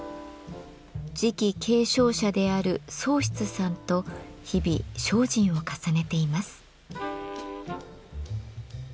次期継承者である宗さんと日々精進を重ねています。